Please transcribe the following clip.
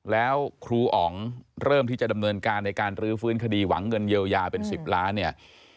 แล้วครูอ๋องเริ่มที่จะดำเนินการในการรื้อฟื้นคดีหวังเงินเยียวยาเป็น๑๐ล้านเนี่ย